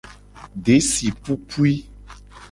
Desi pupui.